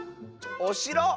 おしろ⁉